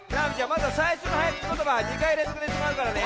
まずはさいしょのはやくちことばは２かいれんぞくでいってもらうからね。